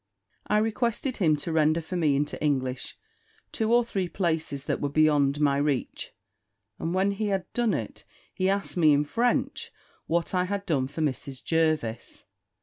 I requested him to render for me into English two or three places that were beyond my reach; and when he had done it, he asked me, in French, what I had done for Mrs. Jervis.